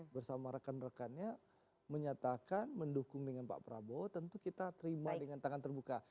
bersama rekan rekannya menyatakan mendukung dengan pak prabowo tentu kita terima dengan tangan terbuka